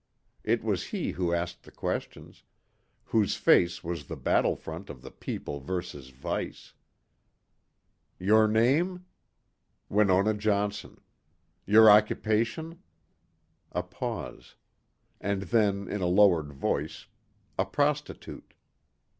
It was he who asked the questions, whose face was the battle front of the People versus Vice. Your name? Winona Johnson. Your occupation? A pause. And then in a lowered voice, a prostitute.